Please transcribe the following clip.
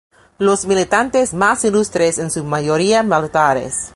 Los militantes más ilustres en su mayoría militares.